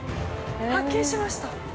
発見しました。